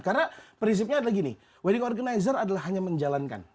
karena prinsipnya adalah gini wedding organizer adalah hanya menjalankan